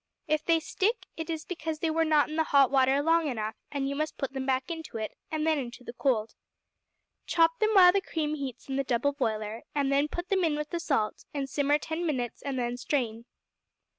If they stick, it is because they were not in the hot water long enough, and you must put them back into it, and then into the cold. Chop them while the cream heats in the double boiler, and then put them in with the salt, and simmer ten minutes and then strain.